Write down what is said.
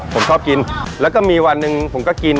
ผมชอบกินแล้วก็มีวันหนึ่งผมก็กิน